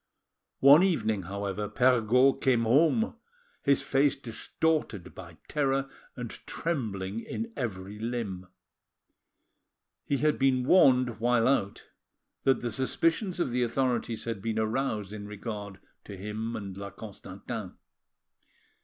One evening, however, Perregaud came home, his face distorted by terror and trembling in every limb. He had been warned while out that the suspicions of the authorities had been aroused in regard to him and La Constantin.